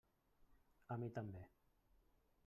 A mi també.